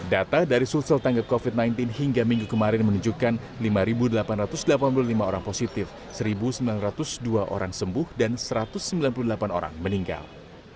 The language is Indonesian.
data dari sulsel tanggap covid sembilan belas hingga minggu kemarin menunjukkan lima delapan ratus delapan puluh lima orang positif satu sembilan ratus dua orang sembuh dan satu ratus sembilan puluh delapan orang meninggal